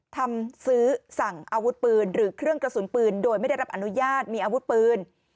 ทำซื้อสั่งอาวุธปืนหรือเครื่องกระสุนปืนโดยไม่ได้รับอนุญาตมีอาวุธปืน